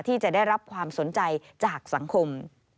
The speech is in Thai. ที่จะได้รับความสนใจจากสังคม